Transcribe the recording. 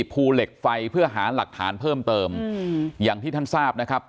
ภูเหล็กไฟเพื่อหาหลักฐานเพิ่มเติมอย่างที่ท่านทราบนะครับ